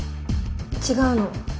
違うの。